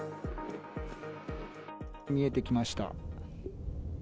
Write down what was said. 見えてきました。